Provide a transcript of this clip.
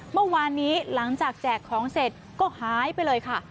เมื่อวานนี้หลังจากแจกของเสร็จก็หายไปเลยค่ะ